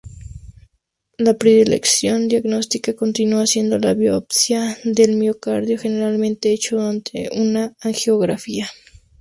La predilección diagnóstica continúa siendo la biopsia del miocardio, generalmente hecho durante una angiografía.